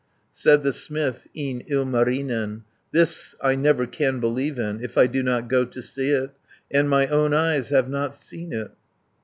120 Said the smith, e'en Ilmarinen, "This I never can believe in, If I do not go to see it, And my own eyes have not seen it."